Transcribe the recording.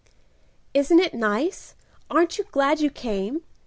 "Isn't it nice? Aren't you glad you came?"